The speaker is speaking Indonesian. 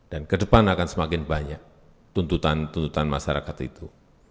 dan ke depan akan semakin banyak tuntutan tuntutan masyarakat itu